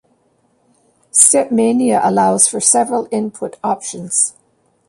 StepMania allows for several input options.